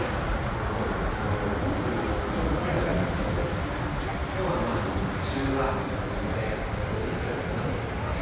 東京も気温は２６度まで上がりそうですから、きょうは日中は半袖、ちょうどいいくらいかなと思います。